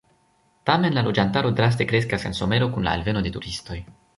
Tamen la loĝantaro draste kreskas en somero kun la alveno de turistoj.